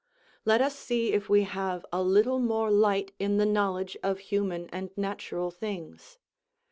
Let us see if we have a little more light in the knowledge of human and natural things.